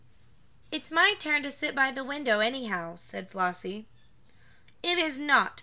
"It's my turn to sit by the window, anyhow," said Flossie. "It is not!